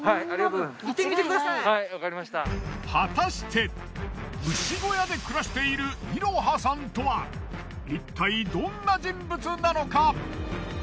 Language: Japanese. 果たして牛小屋で暮らしているいろはさんとはいったいどんな人物なのか。